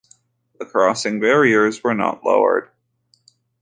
The crossing barriers were not lowered.